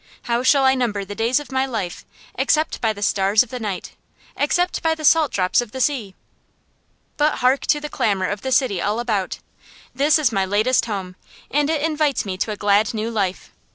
How shall I number the days of my life, except by the stars of the night, except by the salt drops of the sea? But hark to the clamor of the city all about! This is my latest home, and it invites me to a glad new life.